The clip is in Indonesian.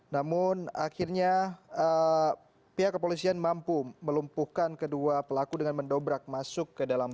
namun akhirnya pihak kepolisian mampu melumpuhkan kedua pelaku dengan mendobrak masuk ke dalam